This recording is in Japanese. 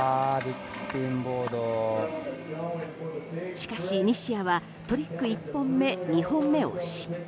しかし西矢はトリック１本目、２本目を失敗。